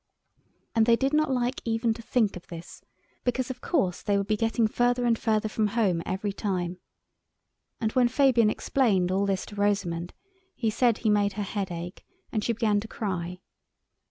And they did not like even to think of this, because of course they would be getting further and further from home every time. And when Fabian explained all this to Rosamund she said he made her head ache, and she began to cry.